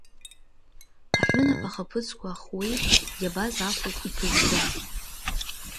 Аҳәынаԥ ахаԥыцқәа ахуеит, иабаз афоит иԥыжәжәа.